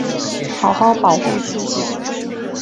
好好保护自己